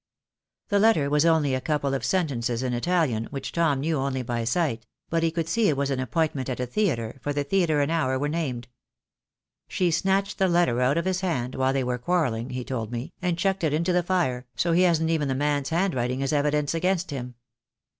The letter was only a couple of sentences in Italian, which Tom only knew by sight — but he could see it was an appointment at a theatre, for the theatre and hour were named. She snatched the letter out of his hand while they were quarrelling, he told me, and chucked it into the fire, so he hasn't even the man's handwriting as evidence against him.